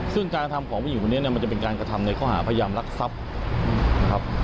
ซึ่งการทำของผู้หญิงคนนี้เนี่ยมันจะเป็นการกระทำในข้อหาพยายามรักทรัพย์นะครับ